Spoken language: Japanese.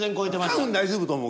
多分大丈夫と思うけど。